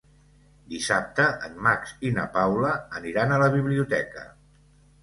Dissabte en Max i na Paula aniran a la biblioteca.